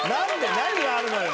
何があるのよ。